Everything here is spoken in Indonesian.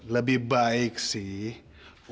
lebih baik sih